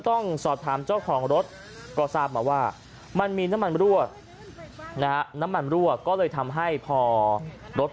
ต้องสอบถามเจ้าของรถก็ทราบมาว่ามันมีน้ำมันรั่วนะฮะน้ำมันรั่วก็เลยทำให้พอรถ